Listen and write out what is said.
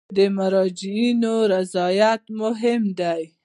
د مراجعینو رضایت مهم دی